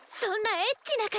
エッチな方。